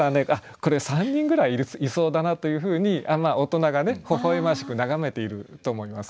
これは３人ぐらいいそうだなというふうに大人がねほほ笑ましく眺めていると思います。